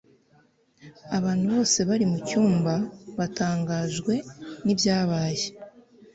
abantu bose bari mucyumba batangajwe nibyabaye